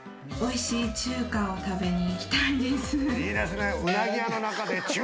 おいしい中華を食べに行きたいです。